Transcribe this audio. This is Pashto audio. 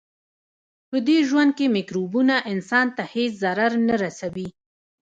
پدې ژوند کې مکروبونه انسان ته هیڅ ضرر نه رسوي.